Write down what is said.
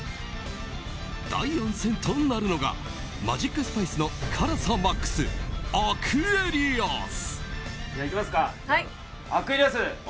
第４戦となるのがマジックスパイスの辛さマックスアクエリアス。